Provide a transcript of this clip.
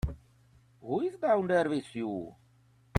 Who's down there with you?